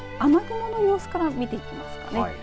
その雨雲の様子から見ていきますかね。